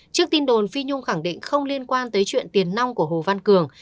trước tin đồn phi nhung khẳng định không liên quan tới chuyện tiền nông của hồ văn cường